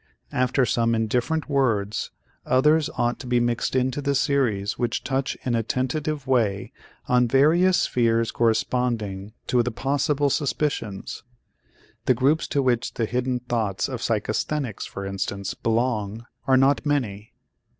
After some indifferent words, others ought to be mixed into the series which touch in a tentative way on various spheres corresponding to the possible suspicions. The groups to which the hidden thoughts of psychasthenics, for instance, belong are not many.